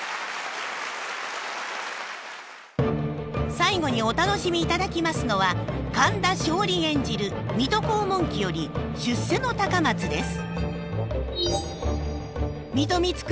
最後にお楽しみいただきますのは神田松鯉演じる「水戸黄門記より出世の高松」です。